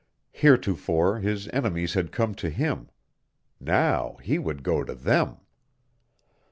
Heretofore his enemies had come to him; now he would go to them.